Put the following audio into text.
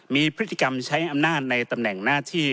มีพฤติกรรมใช้อำนาจในตำแหน่งหน้าที่